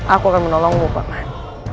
aku akan menolongmu pak main